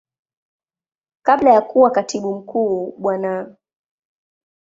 Kabla ya kuwa Katibu Mkuu Bwana.